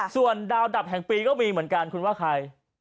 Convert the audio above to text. ส่วนดาวดับแห่งปีก็มีเหมือนกันคุณว่าใคร